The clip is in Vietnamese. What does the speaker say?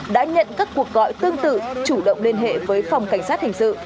đã nhận các cuộc gọi tương tự chủ động liên hệ với phòng cảnh sát hình sự